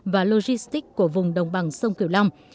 và logistic của vùng đồng bằng sông kiều long